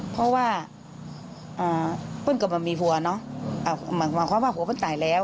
เพราะว่าอ่าเปิ้ลกับบำหมีหัวเนอะอ่าหมายความว่าหัวเป็นตายแล้ว